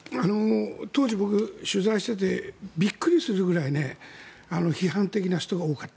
当時、僕、取材していてびっくりするくらい批判的な人が多かった。